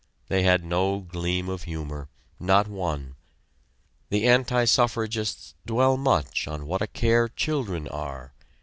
They had no gleam of humor not one. The anti suffragists dwell much on what a care children are.